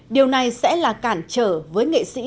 điều này sẽ là cản trở với nghệ sĩ